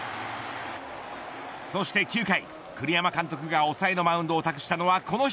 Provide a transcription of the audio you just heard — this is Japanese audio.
そして９回、栗山監督が抑えのマウンドを託したのはこの人。